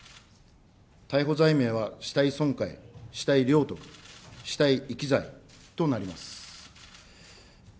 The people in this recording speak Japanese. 逮捕罪名は死体損壊、死体領得、死体遺棄罪となります。